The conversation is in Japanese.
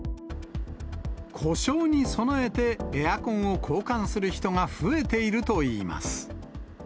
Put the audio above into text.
故障に備えて、エアコンを交換する人が増えているといいます。